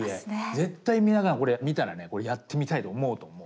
絶対皆さんこれ見たらねこれやってみたいと思うと思う。